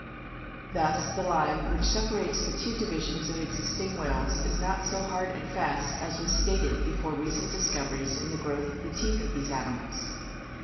Thus the line which separates the two divisions of existing whales is not so hard and fast as was stated before recent dis coveries in the growth of the teeth of these animals.